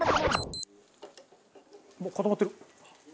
もう固まってる？